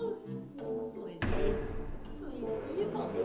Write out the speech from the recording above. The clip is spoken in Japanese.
それでついついサボっちゃって。